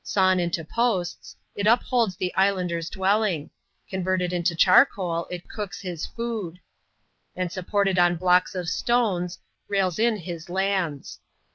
Sawn inta posts, it upholds the islander's dwelling ; converted into char coal, it cooks his food ; and supported on blocks of stones, rails in his lands.